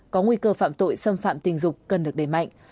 có nguy cơ phạm tội xâm phạm tình dục cần được đề mạnh